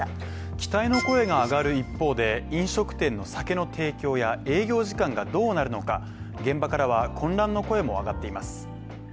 期待の声が上がる一方で、飲食店の酒の提供や営業時間がどうなるのか、現場からは混乱の声も上がっています。